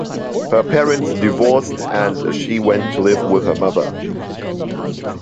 Her parents divorced and she went to live with her mother.